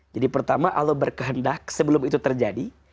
jadi pertama allah berkehendak sebelum itu terjadi